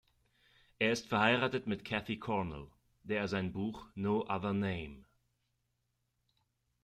Er ist verheiratet mit Cathy Cornell, der er sein Buch "No other name?